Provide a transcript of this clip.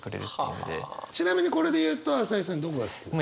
ちなみにこれで言うと朝井さんどこが好きなの？